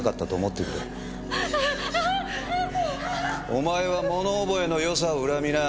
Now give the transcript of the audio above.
お前は物覚えのよさを恨みな。